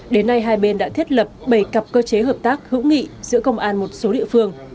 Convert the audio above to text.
đến nay hai bên đã thiết lập bảy cặp cơ chế hợp tác hữu nghị giữa công an một số địa phương